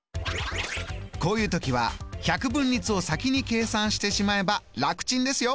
こういう時は百分率を先に計算してしまえば楽ちんですよ。